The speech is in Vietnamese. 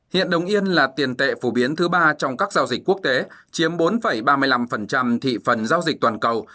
hiện đồng yên là tiền tệ phổ biến thứ ba trong các giao dịch quốc tế chiếm bốn ba mươi năm thị phần giao dịch toàn cầu